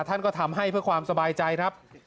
ท่านก็ทำให้เพื่อความสบายใจครับ